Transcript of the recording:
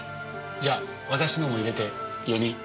じゃあ私のも入れて４人。